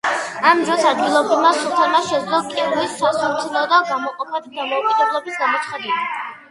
ამ დროს ადგილობრივმა სულთანმა შეძლო კილვის სასულთნოდან გამოყოფა და დამოუკიდებლობის გამოცხადება.